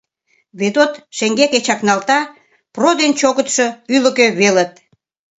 Ведот шеҥгеке чакналта, про ден чӧгытшӧ ӱлыкӧ велыт.